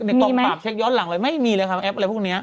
กองปราบเช็คย้อนหลังเลยไม่มีเลยครับแอปอะไรพวกนี้